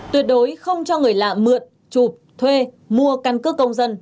tuyệt đối không cho người lạ mượn chụp thuê mua căn cước công dân